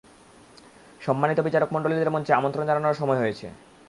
সম্মানিত বিচারকমন্ডলীদের মঞ্চে আমন্ত্রণ জানানোর সময় হয়েছে।